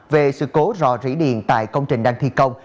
về sự cố rò rỉ điện tại công trình đang thi công